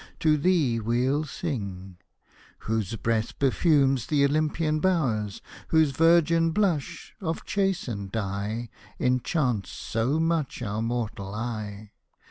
to thee we'll sing : Whose breath perfumes th' Olympian bowers ; Whose virgin blush, of chastened dye, Enchants so much our mortal eye.